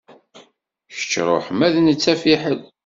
Kečč ṛuḥ ma d netta fiḥel.